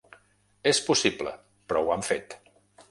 És possible, però ho han fet.